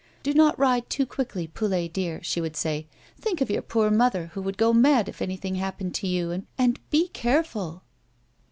" Do not ride too quickly, Poulet, dear," she would say. " Think of your poor mother, who would go mad if any thing happened to you, and be careful."